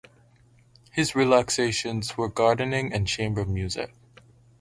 His relaxations were gardening and chamber music.